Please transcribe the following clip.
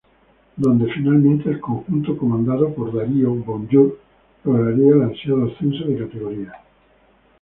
Donde finalmente el conjunto comandado por Darío Bonjour lograría el ansiado ascenso de categoría.